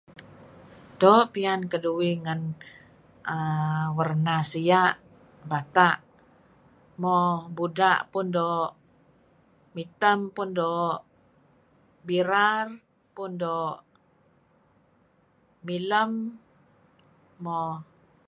Doo' piyan keduih ngen uhm warna sia' , bata', mo buda' pun doo', mitem pun doo', birar pun doo', milem moo.